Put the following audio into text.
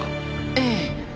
ええ。